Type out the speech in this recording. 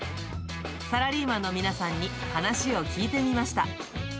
サラリーマンの皆さんに話を聞いてみました。